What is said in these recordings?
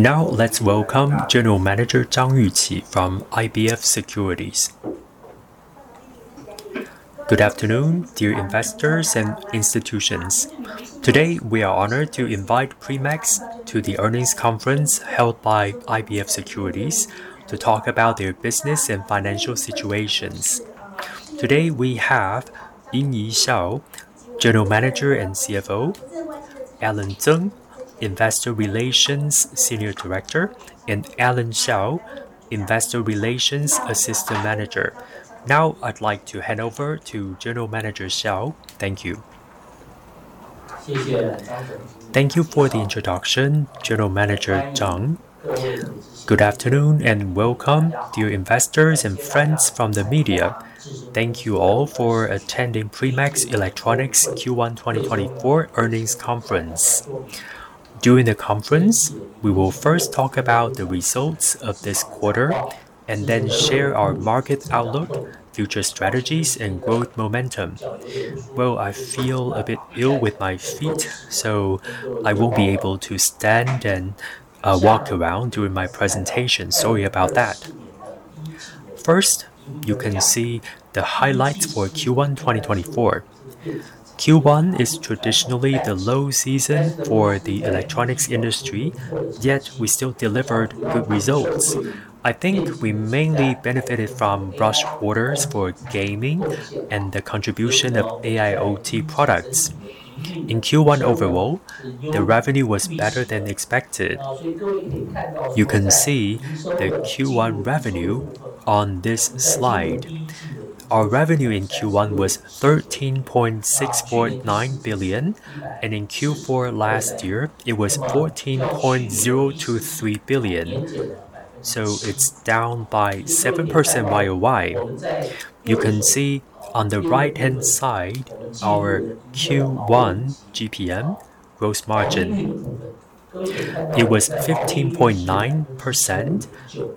Let's welcome General Manager Zhang Yuqi from IBF Securities. Good afternoon, dear investors and institutions. Today, we are honored to invite Primax to the earnings conference held by IBF Securities to talk about their business and financial situations. Today, we have Ying-Yi Hsiao, General Manager and CFO, Ellen Tseng, Investor Relations Senior Director, and Alan Hsiao, Investor Relations Assistant Manager. I'd like to hand over to General Manager Hsiao. Thank you. Thank you for the introduction, General Manager Zhang. Good afternoon, and welcome, dear investors and friends from the media. Thank you all for attending Primax Electronics Q1 2024 earnings conference. During the conference, we will first talk about the results of this quarter, and then share our market outlook, future strategies, and growth momentum. I feel a bit ill with my feet, so I won't be able to stand and walk around during my presentation. Sorry about that. First, you can see the highlights for Q1 2024. Q1 is traditionally the low season for the electronics industry, yet we still delivered good results. I think we mainly benefited from rush orders for gaming and the contribution of AIoT products. In Q1 overall, the revenue was better than expected. You can see the Q1 revenue on this slide. Our revenue in Q1 was 13.649 billion, and in Q4 last year, it was 14.023 billion, so it's down by 7% YOY. You can see on the right-hand side, our Q1 GPM gross margin. It was 15.9%,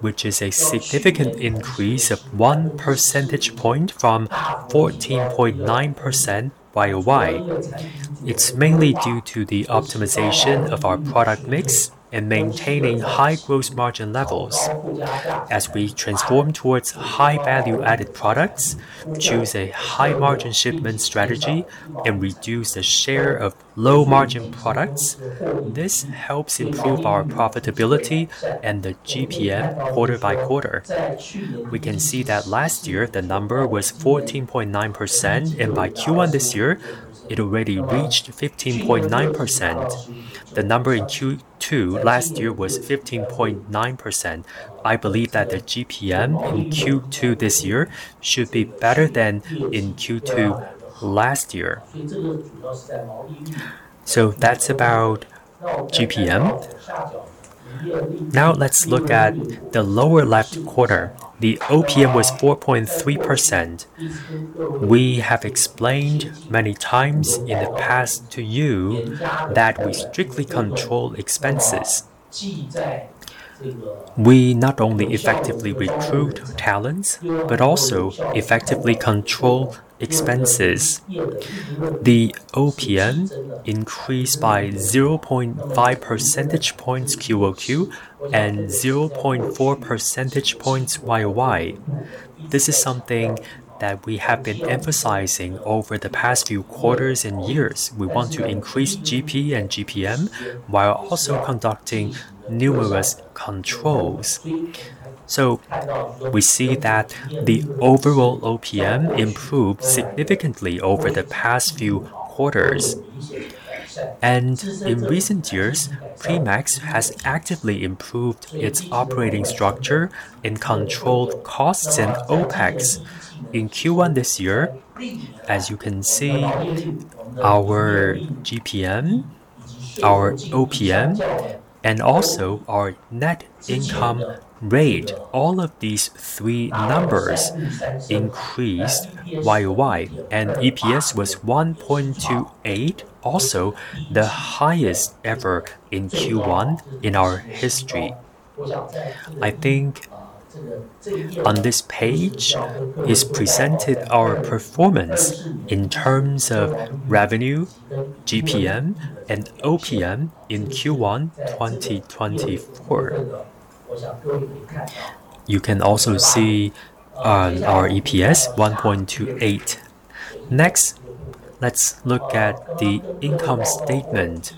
which is a significant increase of 1 percentage point from 14.9% YOY. It's mainly due to the optimization of our product mix and maintaining high gross margin levels. As we transform towards high value-added products, choose a high margin shipment strategy, and reduce the share of low margin products, this helps improve our profitability and the GPM quarter by quarter. We can see that last year the number was 14.9%, and by Q1 this year, it already reached 15.9%. The number in Q2 last year was 15.9%. I believe that the GPM in Q2 this year should be better than in Q2 last year. That's about GPM. Let's look at the lower left quarter. The OPM was 4.3%. We have explained many times in the past to you that we strictly control expenses. We not only effectively recruit talents but also effectively control expenses. The OPM increased by 0.5 percentage points QOQ and 0.4 percentage points YOY. This is something that we have been emphasizing over the past few quarters and years. We want to increase GP and GPM while also conducting numerous controls. We see that the overall OPM improved significantly over the past few quarters. In recent years, Primax has actively improved its operating structure and controlled costs in OPEX. In Q1 this year, as you can see, our GPM, our OPM, and also our net income rate, all of these three numbers increased YOY, and EPS was 1.28, also the highest ever in Q1 in our history. I think on this page is presented our performance in terms of revenue, GPM, and OPM in Q1 2024. You can also see our EPS, 1.28. Next, let's look at the income statement.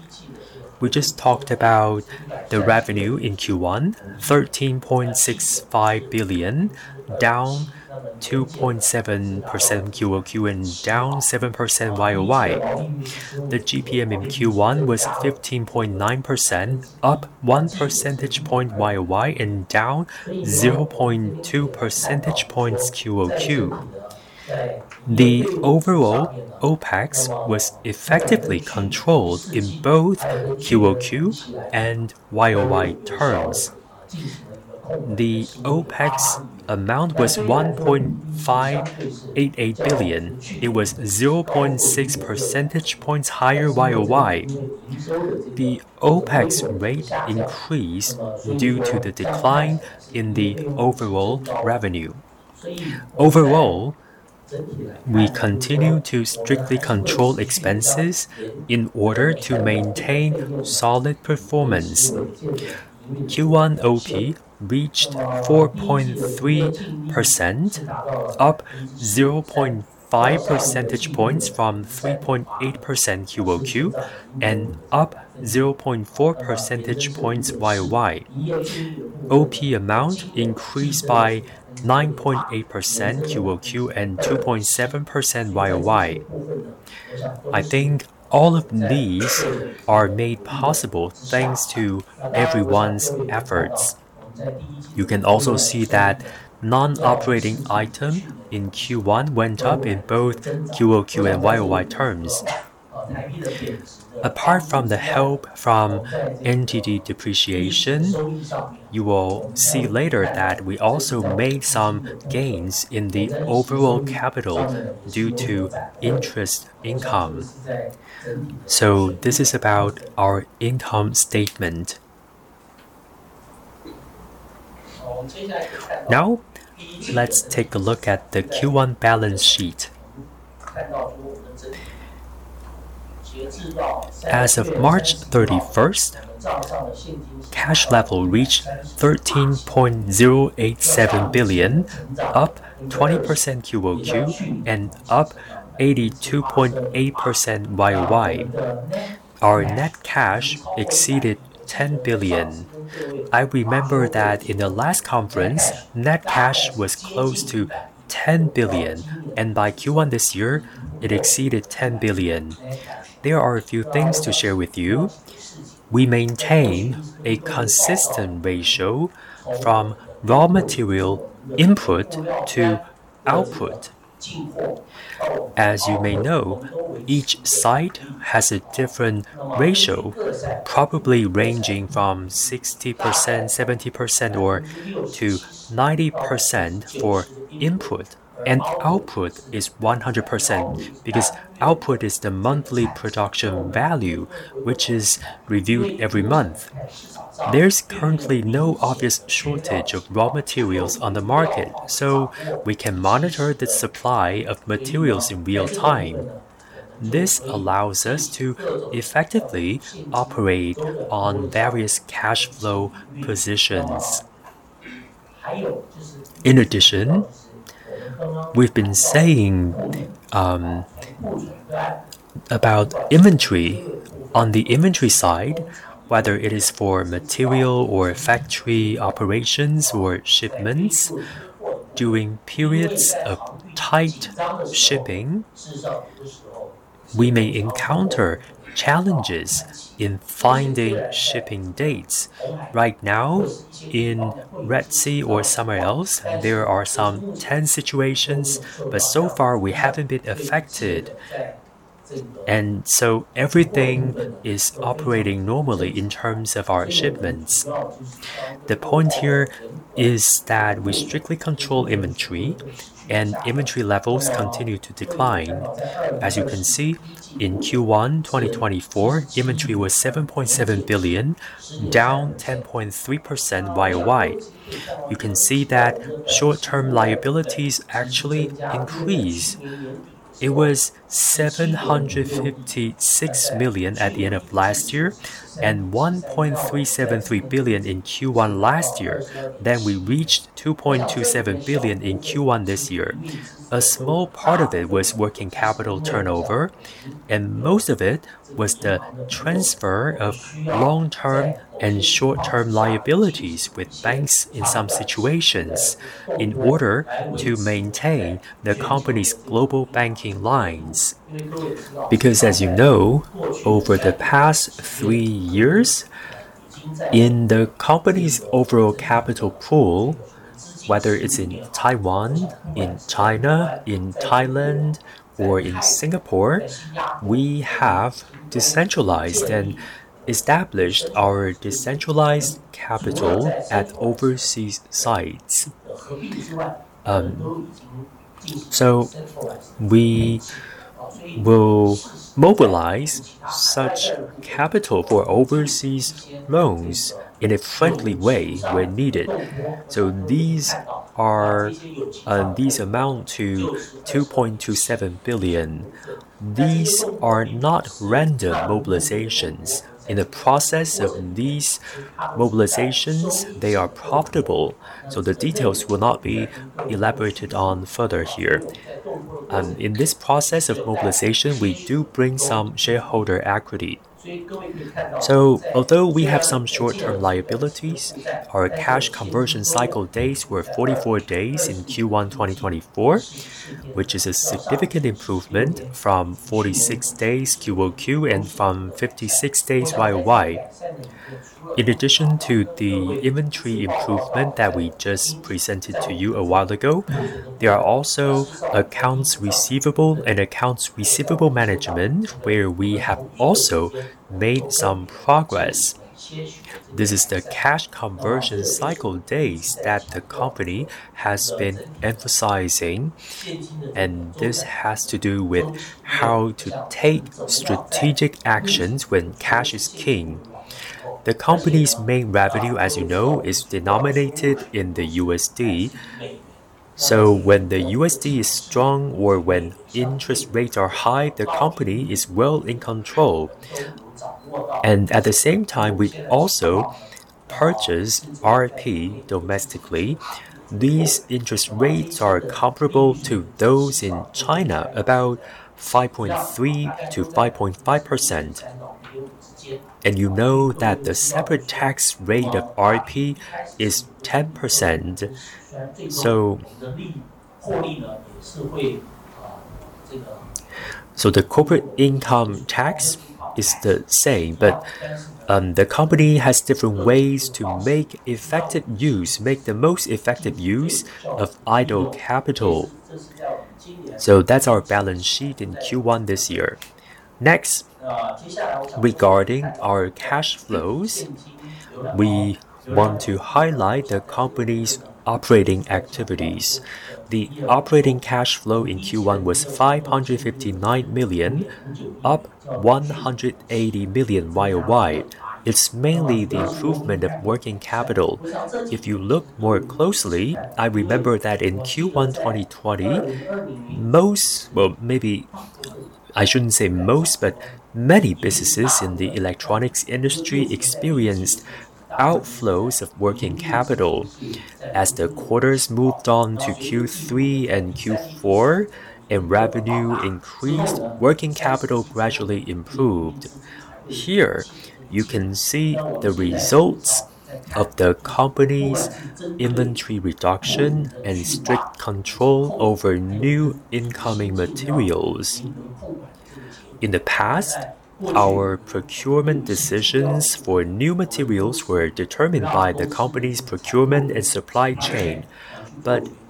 We just talked about the revenue in Q1, 13.65 billion, down 2.7% QOQ and down 7% YOY. The GPM in Q1 was 15.9%, up 1 percentage point YOY and down 0.2 percentage points QOQ. The overall OpEx was effectively controlled in both QOQ and YOY terms. The OpEx amount was 1.588 billion. It was 0.6 percentage points higher YOY. The OpEx rate increased due to the decline in the overall revenue. We continue to strictly control expenses in order to maintain solid performance. Q1 OP reached 4.3%, up 0.5 percentage points from 3.8% QOQ, and up 0.4 percentage points YOY. OP amount increased by 9.8% QOQ and 2.7% YOY. I think all of these are made possible thanks to everyone's efforts. You can also see that non-operating item in Q1 went up in both QOQ and YOY terms. Apart from the help from NTD depreciation, you will see later that we also made some gains in the overall capital due to interest income. This is about our income statement. Now, let's take a look at the Q1 balance sheet. As of March 31st, cash level reached 13.087 billion, up 20% QOQ, and up 82.8% YOY. Our net cash exceeded 10 billion. I remember that in the last conference, net cash was close to 10 billion, and by Q1 this year, it exceeded 10 billion. There are a few things to share with you. We maintain a consistent ratio from raw material input to output. As you may know, each site has a different ratio, probably ranging from 60%, 70%, or to 90% for input, and output is 100% because output is the monthly production value, which is reviewed every month. There's currently no obvious shortage of raw materials on the market, so we can monitor the supply of materials in real time. This allows us to effectively operate on various cash flow positions. In addition, we've been saying about inventory. On the inventory side, whether it is for material or factory operations or shipments, during periods of tight shipping, we may encounter challenges in finding shipping dates. Right now, in Red Sea or somewhere else, there are some tense situations, but so far we haven't been affected, and so everything is operating normally in terms of our shipments. The point here is that we strictly control inventory, and inventory levels continue to decline. As you can see, in Q1 2024, inventory was 7.7 billion, down 10.3% YOY. You can see that short-term liabilities actually increased. It was 756 million at the end of last year and 1.373 billion in Q1 last year. We reached 2.27 billion in Q1 this year. A small part of it was working capital turnover, and most of it was the transfer of long-term and short-term liabilities with banks in some situations in order to maintain the company's global banking lines. Because as you know, over the past three years, in the company's overall capital pool, whether it's in Taiwan, in China, in Thailand, or in Singapore, we have decentralized and established our decentralized capital at overseas sites. We will mobilize such capital for overseas loans in a friendly way when needed. These are, these amount to 2.27 billion. These are not random mobilizations. In the process of these mobilizations, they are profitable, the details will not be elaborated on further here. In this process of mobilization, we do bring some shareholder equity. Although we have some short-term liabilities, our cash conversion cycle days were 44 days in Q1 2024, which is a significant improvement from 46 days QOQ and from 56 days YOY. In addition to the inventory improvement that we just presented to you a while ago, there are also accounts receivable and accounts receivable management where we have also made some progress. This is the cash conversion cycle days that the company has been emphasizing, and this has to do with how to take strategic actions when cash is king. The company's main revenue, as you know, is denominated in the USD. So when the USD is strong or when interest rates are high, the company is well in control. At the same time, we also purchase RP domestically. These interest rates are comparable to those in China, about 5.3% to 5.5%. You know that the separate tax rate of RP is 10%. The corporate income tax is the same, but the company has different ways to make the most effective use of idle capital. That's our balance sheet in Q1 this year. Next, regarding our cash flows, we want to highlight the company's operating activities. The operating cash flow in Q1 was 559 million, up 180 million YOY. It's mainly the improvement of working capital. If you look more closely, I remember that in Q1 2020, many businesses in the electronics industry experienced outflows of working capital. As the quarters moved on to Q3 and Q4 and revenue increased, working capital gradually improved. Here you can see the results of the company's inventory reduction and strict control over new incoming materials. In the past, our procurement decisions for new materials were determined by the company's procurement and supply chain.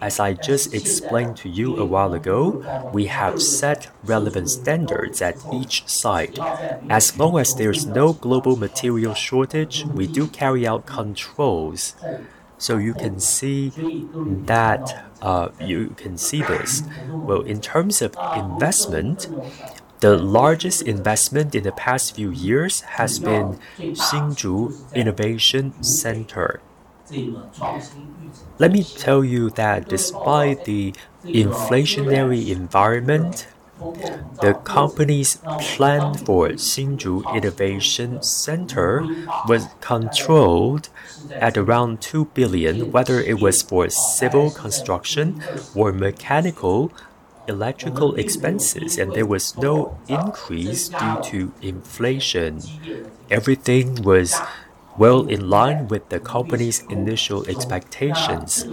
As I just explained to you a while ago, we have set relevant standards at each site. As long as there's no global material shortage, we do carry out controls. You can see this. In terms of investment, the largest investment in the past few years has been Hsinchu Innovation Center. Let me tell you that despite the inflationary environment, the company's plan for Hsinchu Innovation Center was controlled at around 2 billion, whether it was for civil construction or mechanical electrical expenses, and there was no increase due to inflation. Everything was well in line with the company's initial expectations.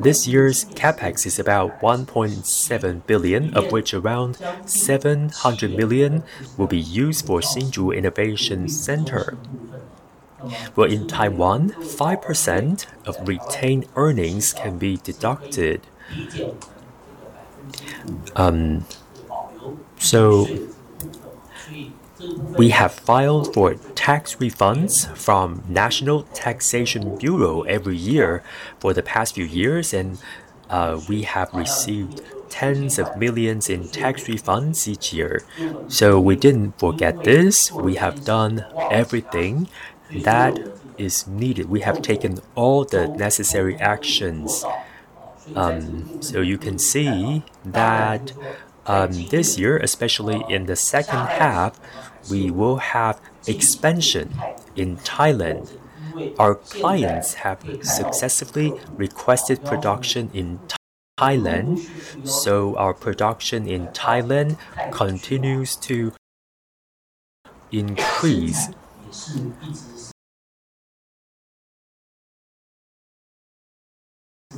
This year's CapEx is about 1.7 billion, of which around 700 million will be used for Hsinchu Innovation Center. In Taiwan, 5% of retained earnings can be deducted. We have filed for tax refunds from National Taxation Bureau every year for the past few years, and we have received TWD tens of millions in tax refunds each year. We didn't forget this. We have done everything that is needed. We have taken all the necessary actions. You can see that this year, especially in the second half, we will have expansion in Thailand. Our clients have successively requested production in Thailand, so our production in Thailand continues to increase.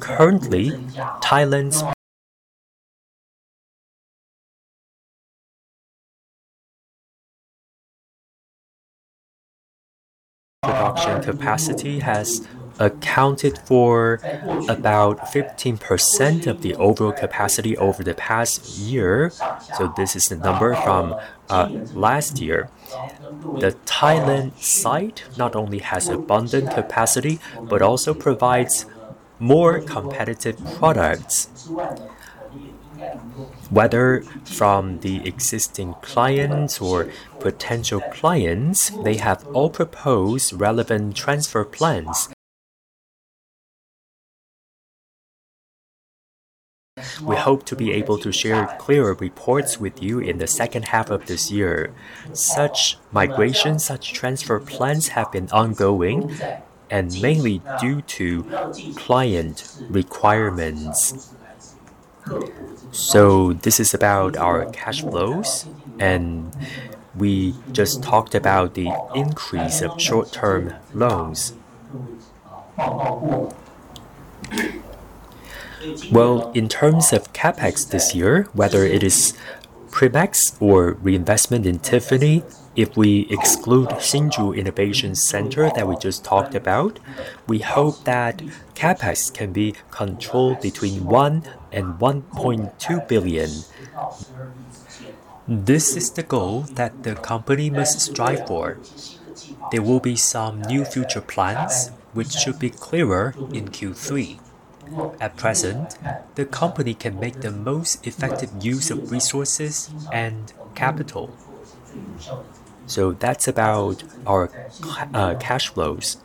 Currently, Thailand's production capacity has accounted for about 15% of the overall capacity over the past year, so this is the number from last year. The Thailand site not only has abundant capacity, but also provides more competitive products. Whether from the existing clients or potential clients, they have all proposed relevant transfer plans. We hope to be able to share clearer reports with you in the second half of this year. Such migration, such transfer plans have been ongoing and mainly due to client requirements. This is about our cash flows, and we just talked about the increase of short-term loans. Well, in terms of CapEx this year, whether it is Primax or reinvestment in Tymphany, if we exclude Hsinchu Innovation Center that we just talked about, we hope that CapEx can be controlled between 1 billion and 1.2 billion. This is the goal that the company must strive for. There will be some new future plans, which should be clearer in Q3. At present, the company can make the most effective use of resources and capital. That's about our cash flows.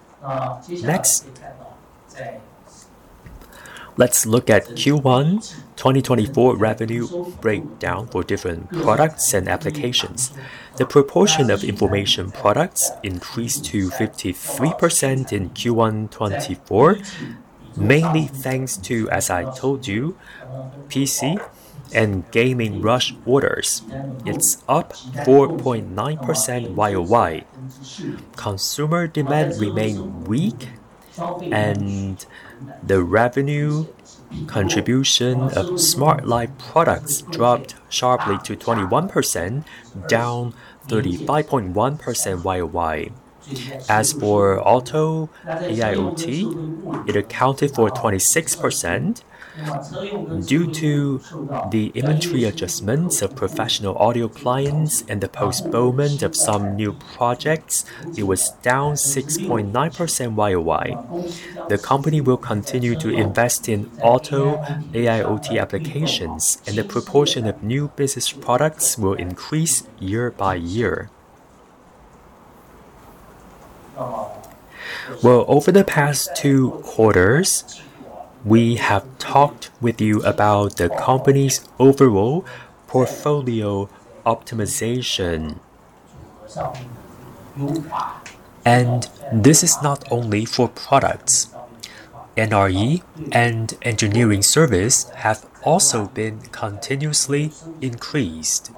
Let's look at Q1 2024 revenue breakdown for different products and applications. The proportion of information products increased to 53% in Q1 2024, mainly thanks to, as I told you, PC and gaming rush orders. It's up 4.9% YOY. Consumer demand remained weak, the revenue contribution of smart life products dropped sharply to 21%, down 35.1% YOY. As for auto AIoT, it accounted for 26%. Due to the inventory adjustments of professional audio clients and the postponement of some new projects, it was down 6.9% YOY. The company will continue to invest in auto AIoT applications, the proportion of new business products will increase year by year. Well, over the past two quarters, we have talked with you about the company's overall portfolio optimization. This is not only for products. NRE and engineering service have also been continuously increased.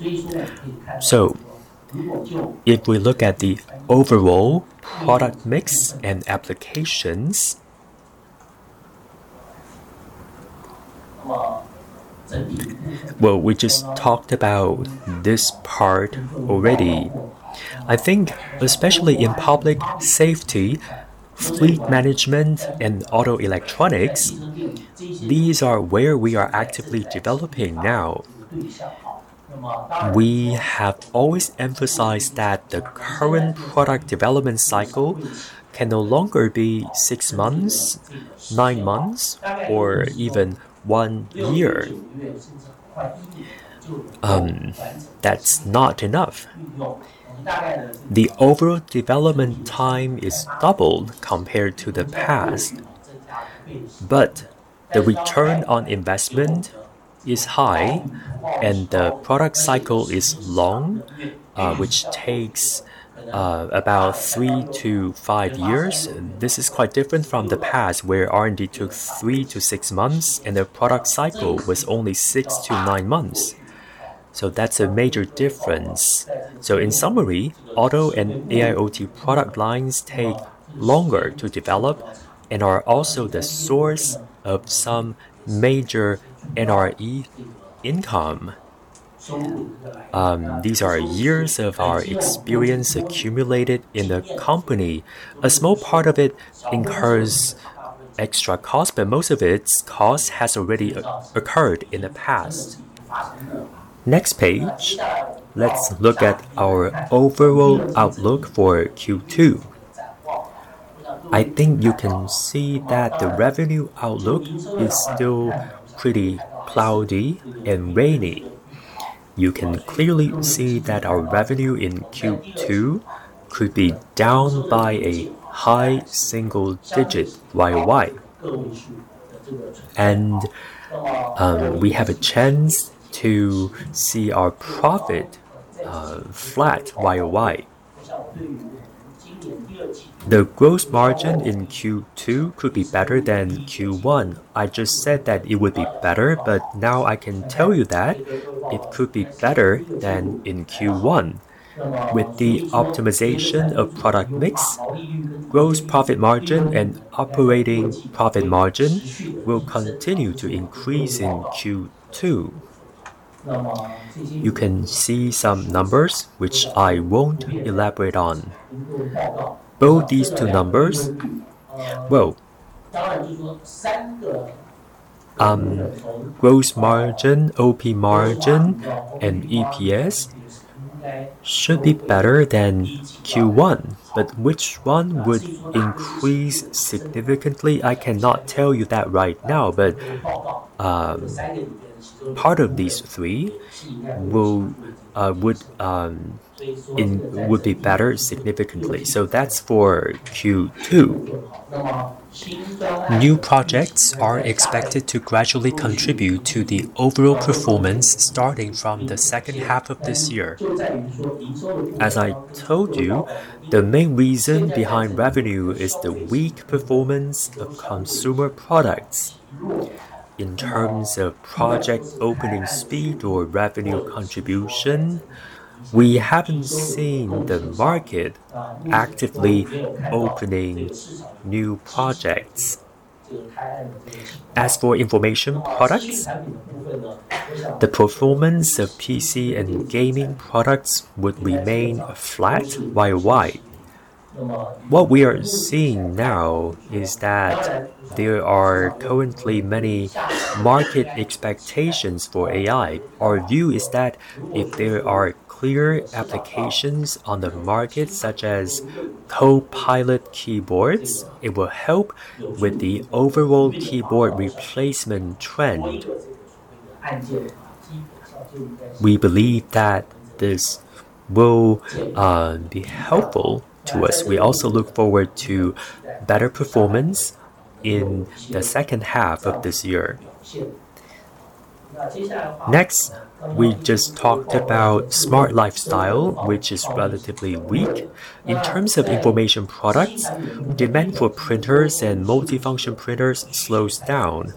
If we look at the overall product mix and applications, Well, we just talked about this part already. I think especially in public safety, fleet management, and auto electronics, these are where we are actively developing now. We have always emphasized that the current product development cycle can no longer be six months, nine months, or even one year. That's not enough. The overall development time is doubled compared to the past, but the return on investment is high, and the product cycle is long, which takes about three to five years. This is quite different from the past, where R&D took three to six months, and the product cycle was only six to nine months. That's a major difference. In summary, auto and AIoT product lines take longer to develop and are also the source of some major NRE income. These are years of our experience accumulated in the company. A small part of it incurs extra cost, but most of its cost has already occurred in the past. Next page, let's look at our overall outlook for Q2. I think you can see that the revenue outlook is still pretty cloudy and rainy. You can clearly see that our revenue in Q2 could be down by a high single-digit YOY. We have a chance to see our profit flat YOY. The gross margin in Q2 could be better than Q1. I just said that it would be better, now I can tell you that it could be better than in Q1. With the optimization of product mix, gross profit margin and operating profit margin will continue to increase in Q2. You can see some numbers which I won't elaborate on. Both these two numbers, gross margin, OP margin, and EPS should be better than Q1. Which one would increase significantly? I cannot tell you that right now. Part of these three will be better significantly. That's for Q2. New projects are expected to gradually contribute to the overall performance starting from the second half of this year. As I told you, the main reason behind revenue is the weak performance of consumer products. In terms of project opening speed or revenue contribution, we haven't seen the market actively opening new projects. As for information products, the performance of PC and gaming products would remain flat Y-O-Y. What we are seeing now is that there are currently many market expectations for AI. Our view is that if there are clear applications on the market, such as Copilot keyboards, it will help with the overall keyboard replacement trend. We believe that this will be helpful to us. We also look forward to better performance in the second half of this year. Next, we just talked about smart lifestyle, which is relatively weak. In terms of information products, demand for printers and multifunction printers slows down,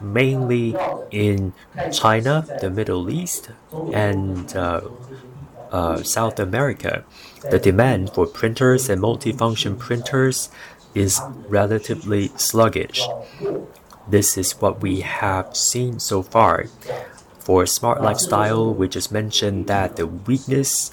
mainly in China, the Middle East, and South America. The demand for printers and multifunction printers is relatively sluggish. This is what we have seen so far. For smart lifestyle, we just mentioned that the weakness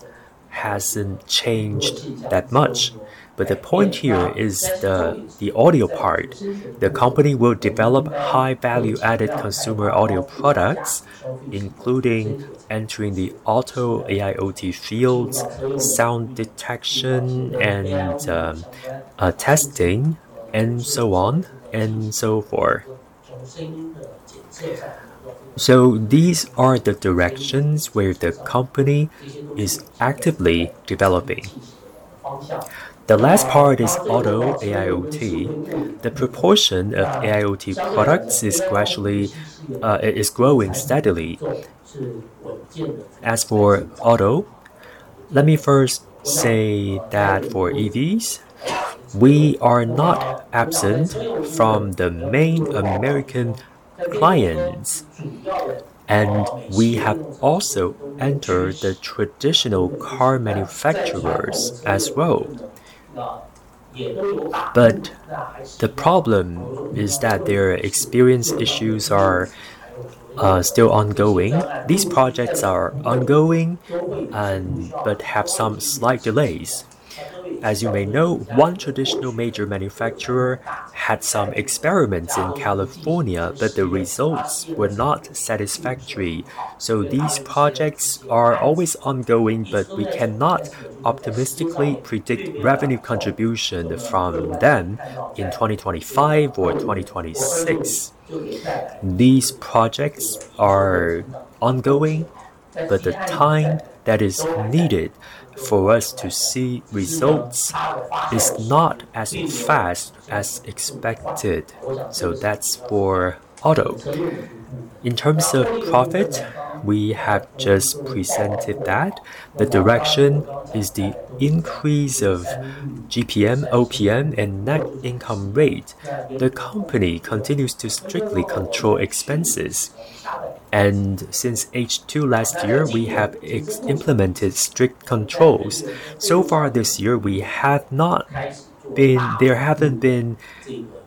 hasn't changed that much. The point here is the audio part. The company will develop high-value added consumer audio products, including entering the auto AIoT fields, sound detection and testing and so on and so forth. These are the directions where the company is actively developing. The last part is auto AIoT. The proportion of AIoT products is gradually, it is growing steadily. As for auto, let me first say that for EVs, we are not absent from the main American clients, and we have also entered the traditional car manufacturers as well. The problem is that their experience issues are still ongoing. These projects are ongoing, but have some slight delays. As you may know, one traditional major manufacturer had some experiments in California, but the results were not satisfactory. These projects are always ongoing, but we cannot optimistically predict revenue contribution from them in 2025 or 2026. These projects are ongoing, but the time that is needed for us to see results is not as fast as expected. That's for auto. In terms of profit, we have just presented that. The direction is the increase of GPM, OPM, and net income rate. The company continues to strictly control expenses. Since H2 last year, we have implemented strict controls. Far this year, there haven't been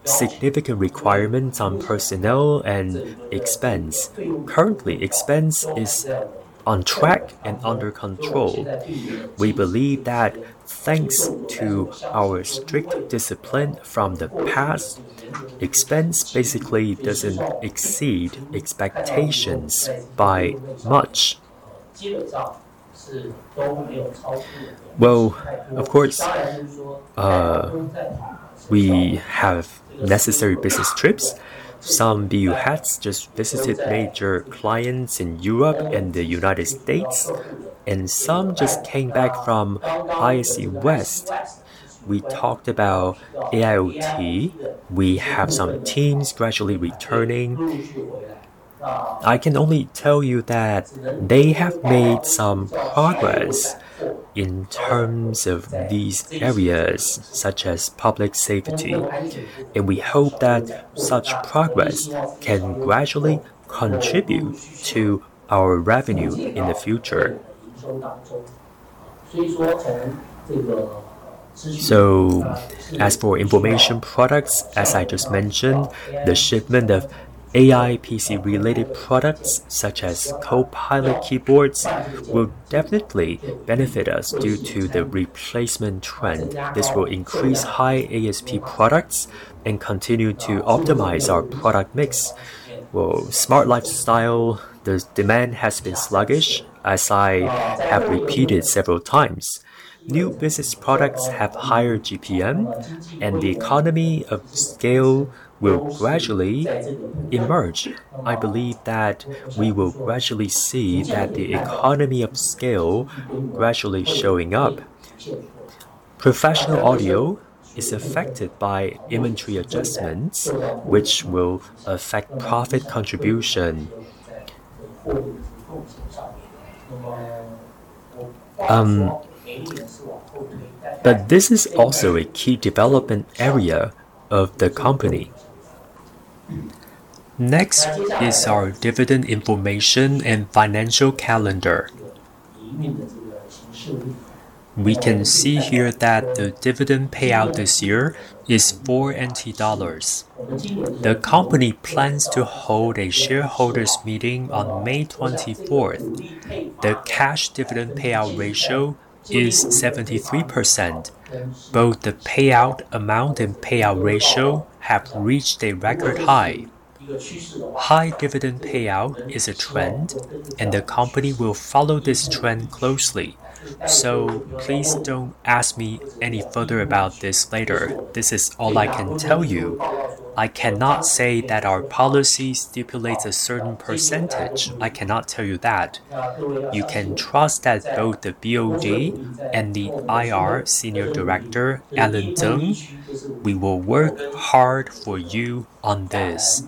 significant requirements on personnel and expense. Currently, expense is on track and under control. We believe that thanks to our strict discipline from the past, expense basically doesn't exceed expectations by much. Well, of course, we have necessary business trips. Some BU heads just visited major clients in Europe and the U.S., and some just came back from ISC West. We talked about AIoT. We have some teams gradually returning. I can only tell you that they have made some progress in terms of these areas, such as public safety, and we hope that such progress can gradually contribute to our revenue in the future. As for information products, as I just mentioned, the shipment of AI PC-related products, such as Copilot keyboards, will definitely benefit us due to the replacement trend. This will increase high ASP products and continue to optimize our product mix. Well, smart lifestyle, the demand has been sluggish, as I have repeated several times. New business products have higher GPM, and the economy of scale will gradually emerge. I believe that we will gradually see that the economy of scale gradually showing up. Professional audio is affected by inventory adjustments, which will affect profit contribution. This is also a key development area of the company. Next is our dividend information and financial calendar. We can see here that the dividend payout this year is 4 dollars. The company plans to hold a shareholders meeting on May 24th. The cash dividend payout ratio is 73%. Both the payout amount and payout ratio have reached a record high. High dividend payout is a trend, and the company will follow this trend closely. Please don't ask me any further about this later. This is all I can tell you. I cannot say that our policy stipulates a certain percentage. I cannot tell you that. You can trust that both the BOD and the IR Senior Director, Ellen Tseng, we will work hard for you on this.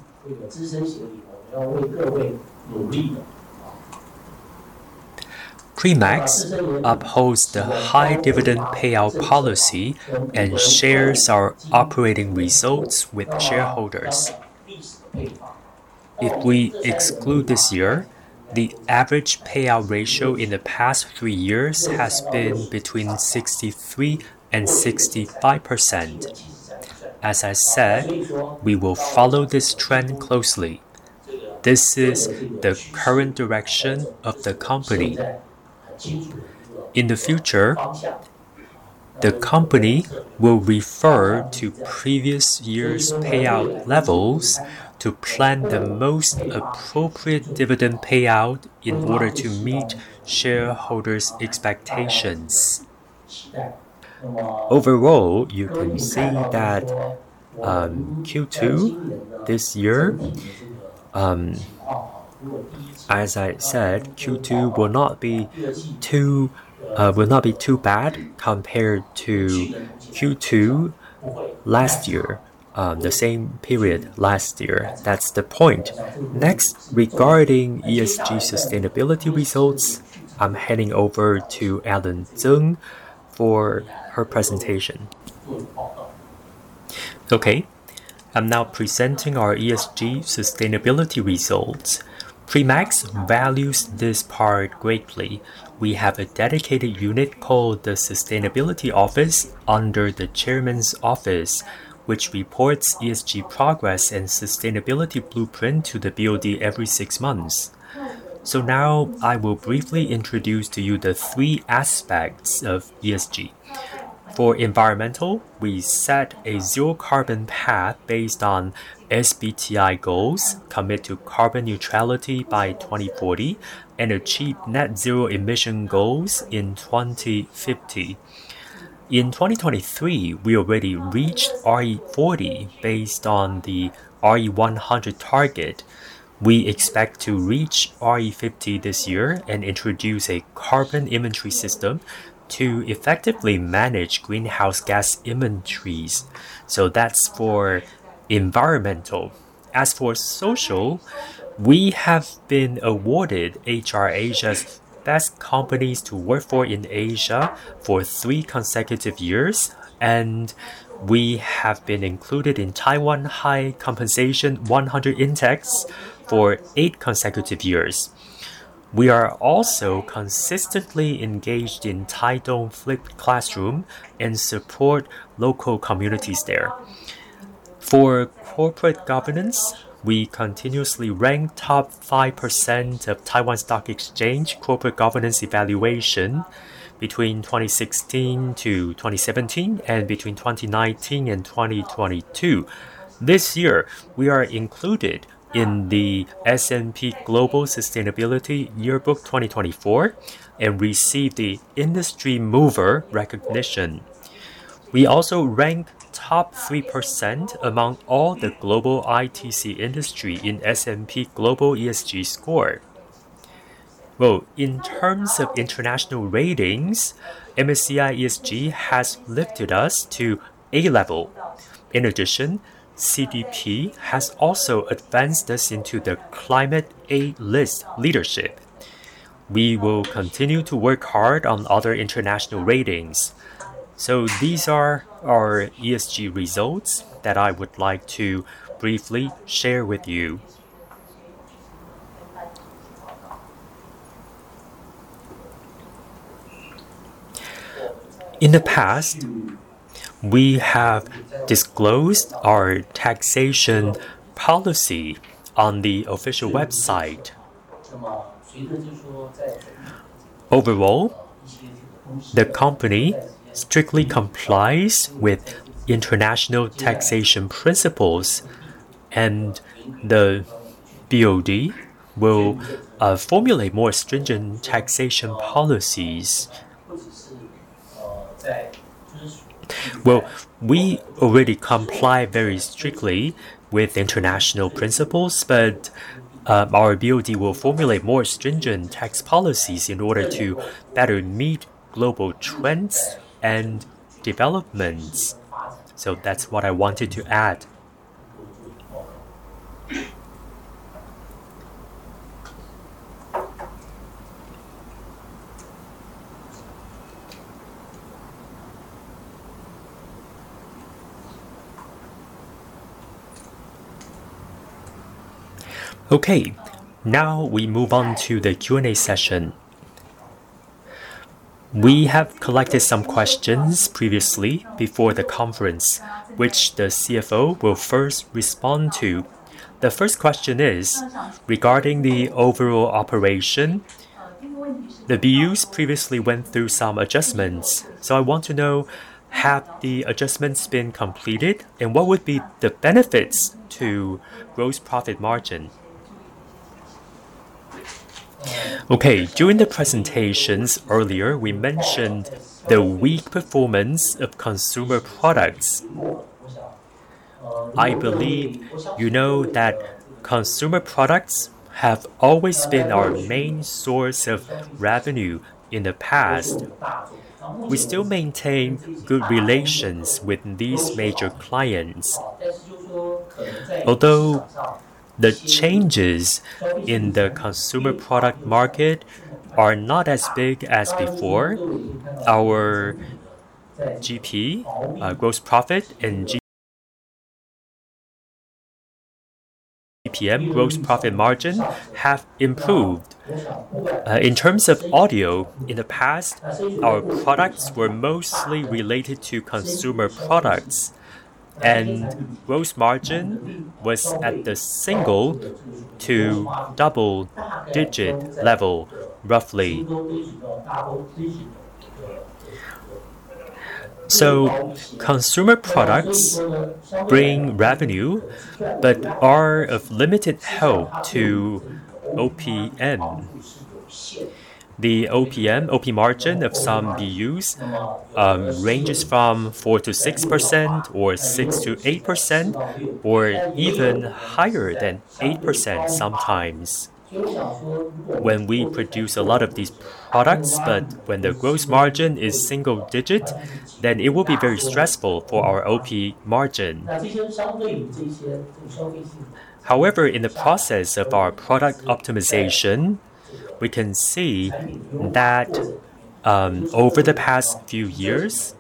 Primax upholds the high dividend payout policy and shares our operating results with shareholders. If we exclude this year, the average payout ratio in the past three years has been between 63% and 65%. As I said, we will follow this trend closely. This is the current direction of the company. In the future, the company will refer to previous years' payout levels to plan the most appropriate dividend payout in order to meet shareholders' expectations. Overall, you can see that Q2 this year, as I said, Q2 will not be too bad compared to Q2 last year, the same period last year. That's the point. Regarding ESG sustainability results, I'm heading over to Ellen Tseng for her presentation. Okay. I'm now presenting our ESG sustainability results. Primax values this part greatly. We have a dedicated unit called the Sustainability Office under the Chairman's Office, which reports ESG progress and sustainability blueprint to the BOD every six months. Now I will briefly introduce to you the three aspects of ESG. For environmental, we set a zero carbon path based on SBTi goals, commit to carbon neutrality by 2040, and achieve net zero emission goals in 2050. In 2023, we already reached RE40 based on the RE100 target. We expect to reach RE50 this year and introduce a carbon inventory system to effectively manage greenhouse gas inventories. That's for environmental. As for social, we have been awarded HR Asia's Best Companies to Work For in Asia for three consecutive years, and we have been included in Taiwan High Compensation 100 Index for eight consecutive years. We are also consistently engaged in Taitung Flipped Classroom and support local communities there. For corporate governance, we continuously rank top 5% of Taiwan Stock Exchange corporate governance evaluation between 2016-2017 and between 2019 and 2022. This year, we are included in the S&P Global Sustainability Yearbook 2024 and receive the Industry Mover recognition. We also rank top 3% among all the global ICT industry in S&P Global ESG score. In terms of international ratings, MSCI ESG has lifted us to A level. In addition, CDP has also advanced us into the Climate A List Leadership. We will continue to work hard on other international ratings. These are our ESG results that I would like to briefly share with you. In the past, we have disclosed our taxation policy on the official website. Overall, the company strictly complies with international taxation principles, and the BOD will formulate more stringent taxation policies. We already comply very strictly with international principles, but our BOD will formulate more stringent tax policies in order to better meet global trends and developments. That's what I wanted to add. Okay. Now we move on to the Q&A session. We have collected some questions previously before the conference, which the CFO will first respond to. The first question is regarding the overall operation. The BUs previously went through some adjustments. I want to know have the adjustments been completed, and what would be the benefits to gross profit margin? Okay. During the presentations earlier, we mentioned the weak performance of consumer products. I believe you know that consumer products have always been our main source of revenue in the past. We still maintain good relations with these major clients. Although the changes in the consumer product market are not as big as before, our GP, gross profit and GPM, gross profit margin have improved. In terms of audio, in the past, our products were mostly related to consumer products, gross margin was at the single-digit to double-digit level, roughly. Consumer products bring revenue but are of limited help to OPM. The OPM, OP margin of some BUs, ranges from 4%-6% or 6%-8% or even higher than 8% sometimes. When we produce a lot of these products, when the gross margin is single-digit, it will be very stressful for our OP margin. However, in the process of our product optimization, we can see that over the past few years,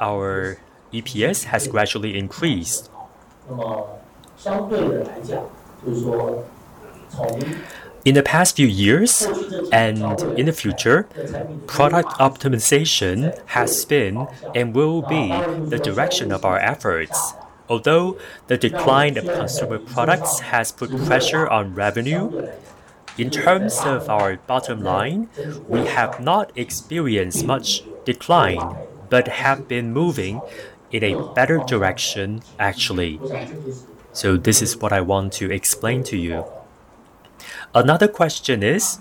our EPS has gradually increased. In the past few years and in the future, product optimization has been and will be the direction of our efforts. Although the decline of consumer products has put pressure on revenue, in terms of our bottom line, we have not experienced much decline, but have been moving in a better direction actually. This is what I want to explain to you. Another question is,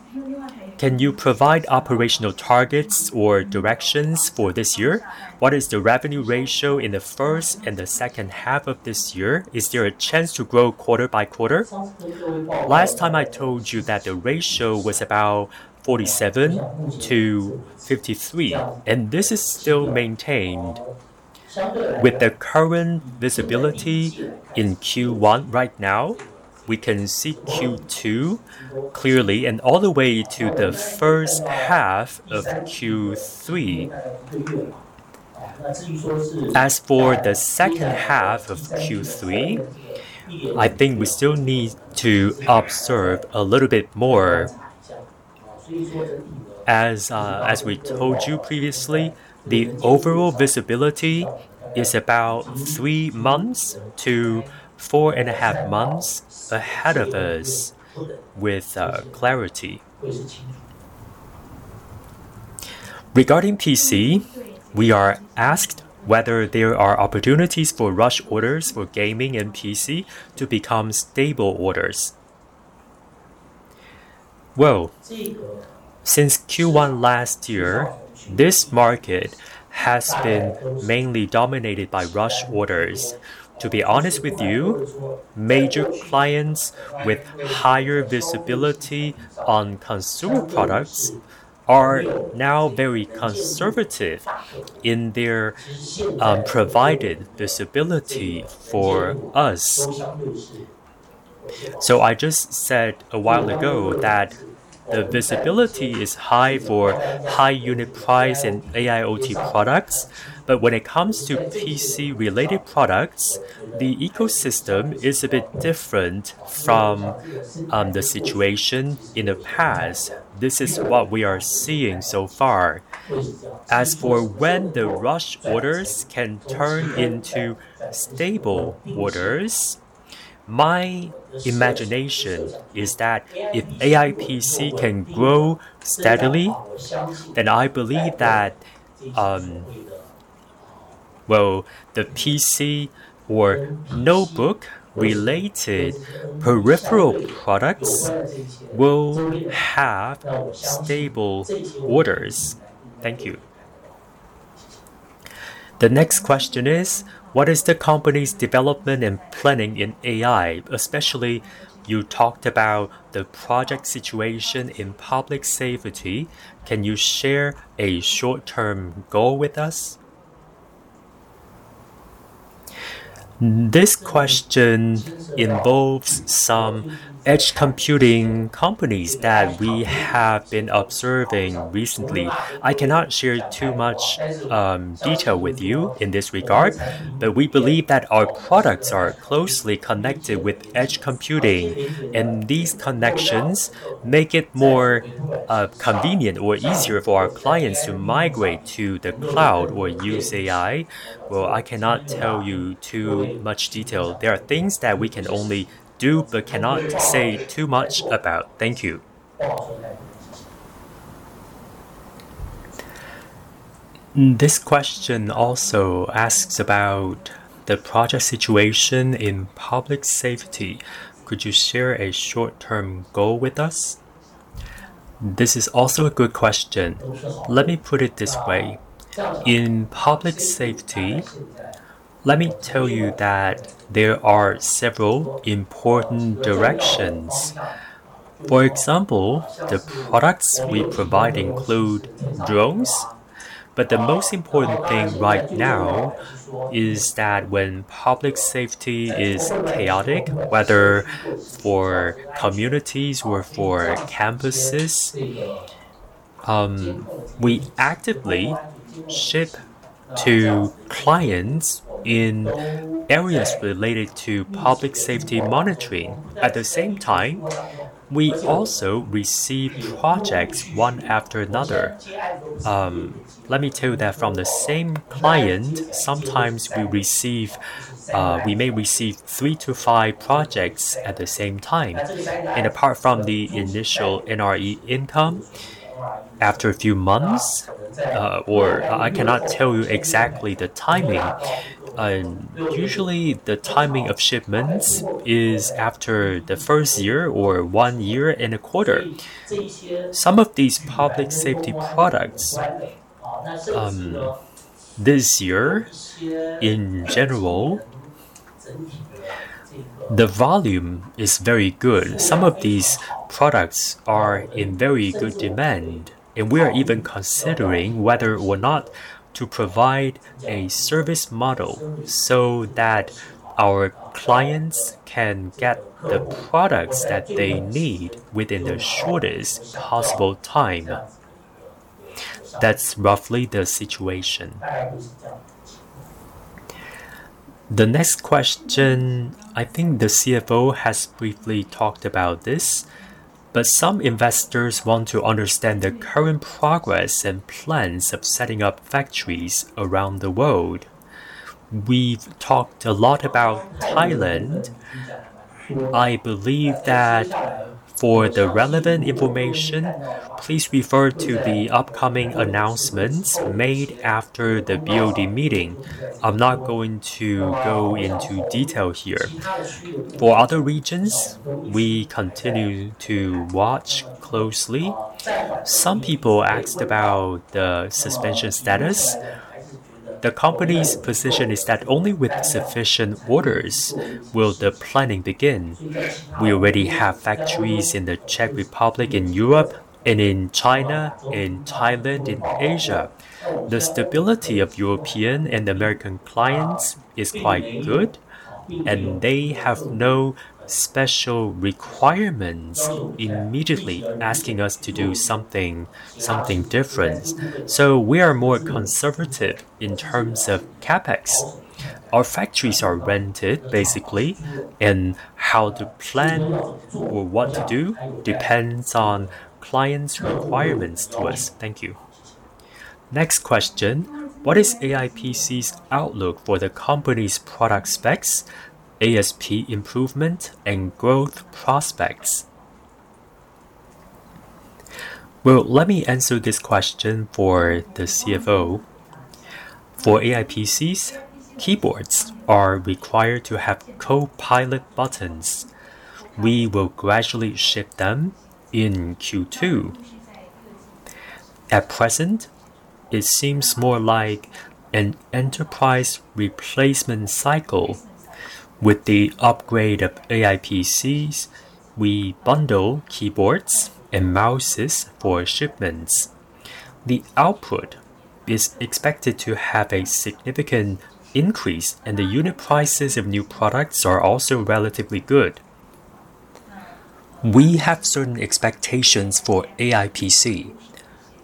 can you provide operational targets or directions for this year? What is the revenue ratio in the first and the second half of this year? Is there a chance to grow quarter by quarter? Last time I told you that the ratio was about 47 to 53, and this is still maintained. With the current visibility in Q1 right now, we can see Q2 clearly and all the way to the first half of Q3. As for the second half of Q3, I think we still need to observe a little bit more. As we told you previously, the overall visibility is about three months to four and a half months ahead of us with clarity. Regarding PC, we are asked whether there are opportunities for rush orders for gaming and PC to become stable orders. Well, since Q1 last year, this market has been mainly dominated by rush orders. To be honest with you, major clients with higher visibility on consumer products are now very conservative in their provided visibility for us. I just said a while ago that the visibility is high for high unit price and AIoT products. When it comes to PC related products, the ecosystem is a bit different from the situation in the past. This is what we are seeing so far. As for when the rush orders can turn into stable orders, my imagination is that if AI PC can grow steadily, I believe that, well, the PC or notebook related peripheral products will have stable orders. Thank you. The next question is, what is the company's development and planning in AI? Especially you talked about the project situation in public safety. Can you share a short-term goal with us? This question involves some edge computing companies that we have been observing recently. I cannot share too much detail with you in this regard, we believe that our products are closely connected with edge computing, these connections make it more convenient or easier for our clients to migrate to the cloud or use AI. Well, I cannot tell you too much detail. There are things that we can only do but cannot say too much about. Thank you. This question also asks about the project situation in public safety. Could you share a short-term goal with us? This is also a good question. Let me put it this way. In public safety, let me tell you that there are several important directions. For example, the products we provide include drones, but the most important thing right now is that when public safety is chaotic, whether for communities or for campuses, we actively ship to clients in areas related to public safety monitoring. At the same time, we also receive projects one after another. Let me tell you that from the same client, sometimes we receive, we may receive three to five projects at the same time. Apart from the initial NRE income, after a few months, or I cannot tell you exactly the timing, usually the timing of shipments is after the first year or one year and a quarter. Some of these public safety products, this year in general, the volume is very good. Some of these products are in very good demand, and we are even considering whether or not to provide a service model so that our clients can get the products that they need within the shortest possible time. That's roughly the situation. The next question, I think the CFO has briefly talked about this, but some investors want to understand the current progress and plans of setting up factories around the world. We've talked a lot about Thailand. I believe that for the relevant information, please refer to the upcoming announcements made after the BOD meeting. I'm not going to go into detail here. For other regions, we continue to watch closely. Some people asked about the suspension status. The company's position is that only with sufficient orders will the planning begin. We already have factories in the Czech Republic in Europe and in China, in Thailand, in Asia. The stability of European and American clients is quite good, and they have no special requirements immediately asking us to do something different. We are more conservative in terms of CapEx. Our factories are rented basically, and how to plan or what to do depends on clients' requirements to us. Thank you. Next question, what is AI PC's outlook for the company's product specs, ASP improvement, and growth prospects? Well, let me answer this question for the CFO. For AI PCs, keyboards are required to have Copilot buttons. We will gradually ship them in Q2. At present, it seems more like an enterprise replacement cycle. With the upgrade of AI PCs, we bundle keyboards and mouses for shipments. The output is expected to have a significant increase, and the unit prices of new products are also relatively good. We have certain expectations for AI PC.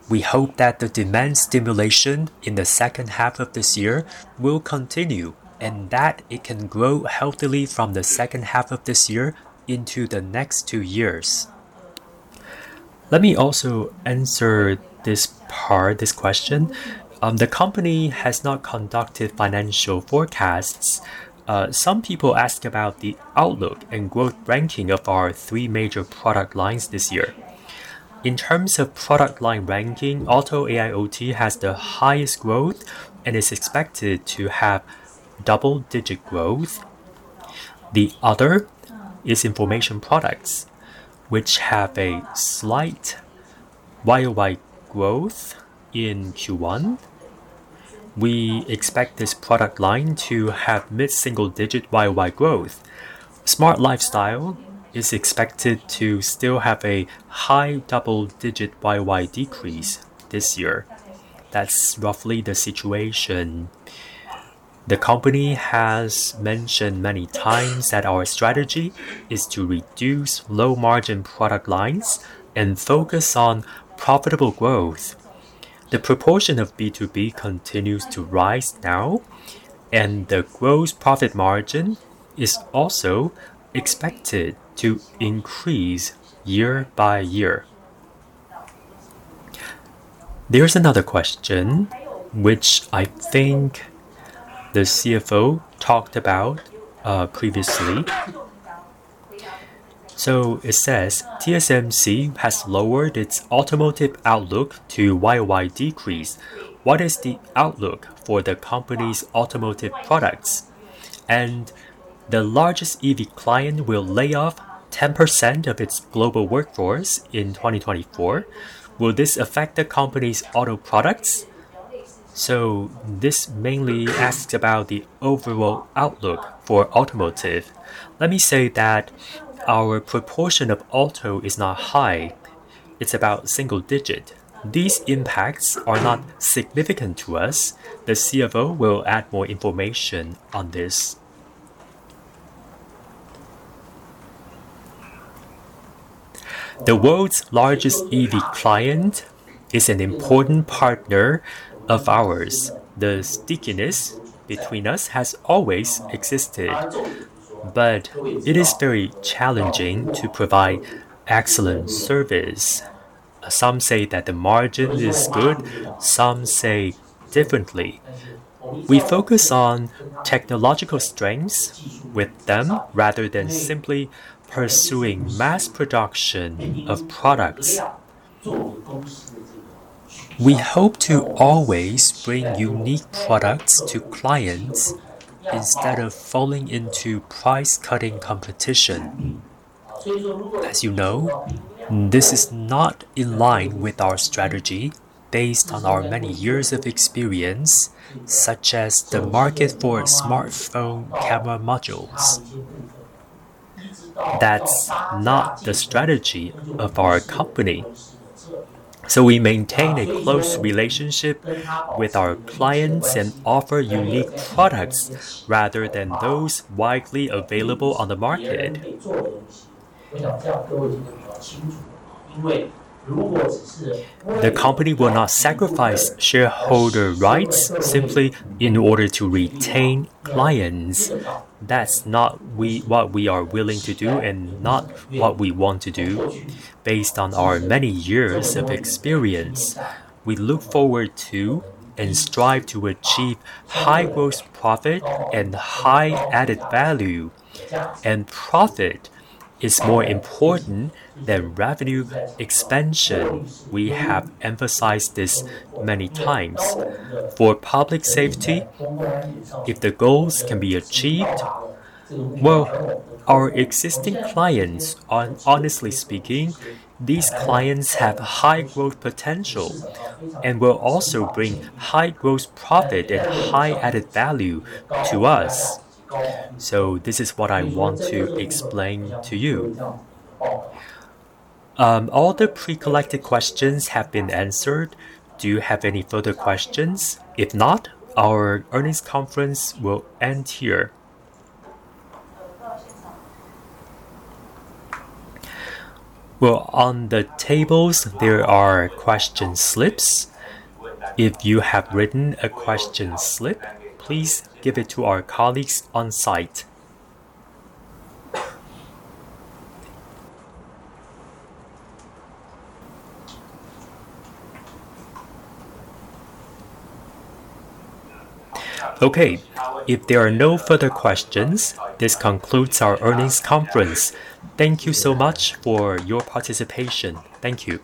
We hope that the demand stimulation in the second half of this year will continue and that it can grow healthily from the second half of this year into the next two years. Let me also answer this part, this question. The company has not conducted financial forecasts. Some people ask about the outlook and growth ranking of our three major product lines this year. In terms of product line ranking, Auto AIoT has the highest growth and is expected to have double-digit growth. The other is information products, which have a slight YOY growth in Q1. We expect this product line to have mid-single digit YOY growth. Smart Lifestyle is expected to still have a high double-digit YOY decrease this year. That's roughly the situation. The company has mentioned many times that our strategy is to reduce low margin product lines and focus on profitable growth. The proportion of B2B continues to rise now, and the gross profit margin is also expected to increase year by year. There's another question which I think the CFO talked about previously. It says TSMC has lowered its automotive outlook to YOY decrease. What is the outlook for the company's automotive products? The largest EV client will lay off 10% of its global workforce in 2024. Will this affect the company's auto products? This mainly asks about the overall outlook for automotive. Let me say that our proportion of auto is not high. It's about single digit. These impacts are not significant to us. The CFO will add more information on this. The world's largest EV client is an important partner of ours. The stickiness between us has always existed, but it is very challenging to provide excellent service. Some say that the margin is good, some say differently. We focus on technological strengths with them rather than simply pursuing mass production of products. We hope to always bring unique products to clients instead of falling into price cutting competition. As you know, this is not in line with our strategy based on our many years of experience, such as the market for smartphone camera modules. That's not the strategy of our company. We maintain a close relationship with our clients and offer unique products rather than those widely available on the market. The company will not sacrifice shareholder rights simply in order to retain clients. That's not what we are willing to do and not what we want to do based on our many years of experience. We look forward to and strive to achieve high gross profit and high added value. Profit is more important than revenue expansion. We have emphasized this many times. For public safety, if the goals can be achieved, well, our existing clients, honestly speaking, these clients have high growth potential and will also bring high gross profit and high added value to us. This is what I want to explain to you. All the pre-collected questions have been answered. Do you have any further questions? If not, our earnings conference will end here. Well, on the tables, there are question slips. If you have written a question slip, please give it to our colleagues on-site. Okay, if there are no further questions, this concludes our earnings conference. Thank you so much for your participation. Thank you.